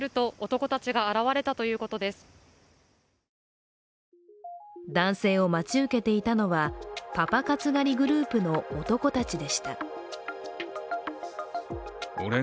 男性を待ち受けていたのはパパ活狩りグループの男たちでした。